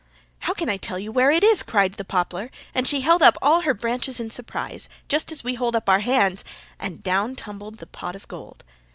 "'How can I tell you where it is?' cried the poplar, and she held up all her branches in surprise, just as we hold up our hands and down tumbled the pot of gold.